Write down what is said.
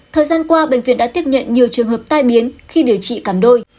thời gian qua bệnh viện đã tiếp nhận nhiều trường hợp tai biến khi điều trị cảm đôi